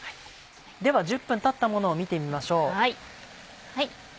では１０分たったものを見てみましょう。